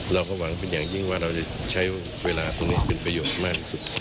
เราก็หวังเป็นอย่างยิ่งว่าเราจะใช้เวลาตรงนี้เป็นประโยชน์มากที่สุด